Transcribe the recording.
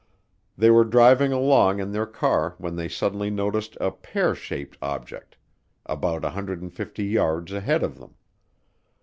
They were driving along in their car when they suddenly noticed "a pear shaped" object about 150 yards ahead of them.